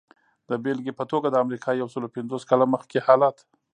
د بېلګې په توګه د امریکا یو سلو پنځوس کاله مخکې حالت.